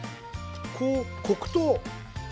こう黒糖。